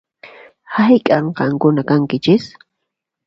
Hayk'an qankuna kankichis?